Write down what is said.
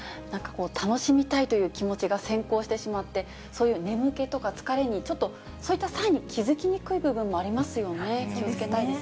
楽しみたいという気持ちが先行してしまって、そういう眠気とか疲れにちょっと、そういったサインに気付きにくい部分もありますよね。